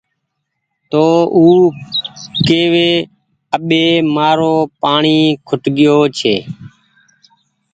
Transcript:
تو او ڪيوي اٻي مآرو پآڻيٚ کٽگيو ڇي